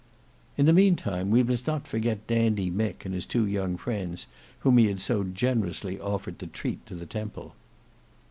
In the meantime, we must not forget Dandy Mick and his two young friends whom he had so generously offered to treat to the Temple.